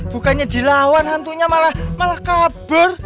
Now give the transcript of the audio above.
bukannya di lawan hantunya malah kabur